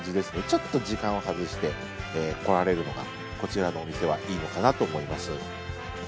ちょっと時間を外して来られるのがこちらのお店はいいのかなと思います。